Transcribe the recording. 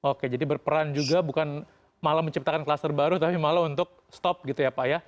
oke jadi berperan juga bukan malah menciptakan klaster baru tapi malah untuk stop gitu ya pak ya